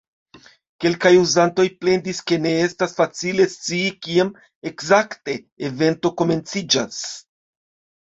Kelkaj uzantoj plendis, ke ne estas facile scii kiam ekzakte evento komenciĝas.